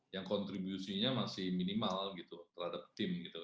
yang kontribusinya masih minimal gitu terhadap tim gitu